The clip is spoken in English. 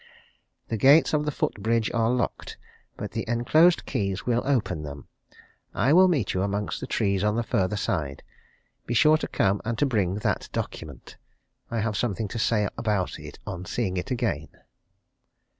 "'The gates of the foot bridge are locked, but the enclosed keys will open them. I will meet you amongst the trees on the further side. Be sure to come and to bring that document I have something to say about it on seeing it again.'"